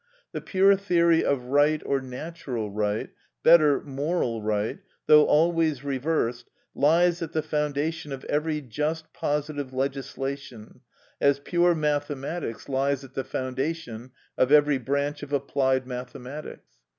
The pure theory of right or natural right—better, moral right—though always reversed, lies at the foundation of every just positive legislation, as pure mathematics lies at the foundation of every branch of applied mathematics.